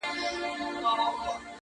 • بس په زړه کي یې کراري اندېښنې سوې -